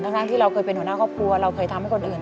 ทั้งที่เราเคยเป็นหัวหน้าครอบครัวเราเคยทำให้คนอื่น